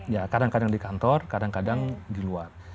ya kadang kadang di kantor kadang kadang di luar